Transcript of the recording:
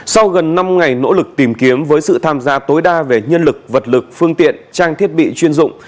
sau gần năm ngày nỗ lực tìm kiếm với sự tham gia tối đa về nhân lực vật lực phương tiện trang thiết bị chuyên dụng